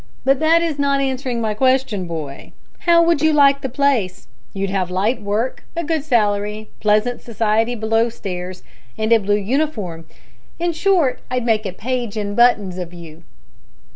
But that is not answering my question, boy. How would you like the place? You'd have light work, a good salary, pleasant society below stairs, and a blue uniform. In short, I'd make a page in buttons of you."